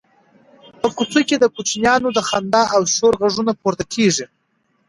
په کوڅه کې د کوچنیانو د خندا او شور غږونه پورته کېږي.